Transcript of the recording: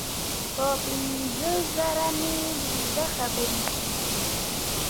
په پنځه زره مې وزه خبرې کړې.